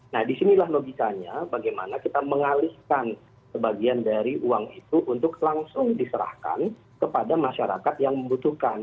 nah disinilah logikanya bagaimana kita mengalihkan sebagian dari uang itu untuk langsung diserahkan kepada masyarakat yang membutuhkan